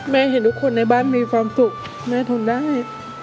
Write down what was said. แม่เห็นทุกคนในบ้านมีสวรรค์สุขแม่ทนได้